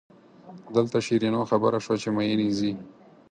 دلته شیرینو خبره شوه چې مئین یې ځي.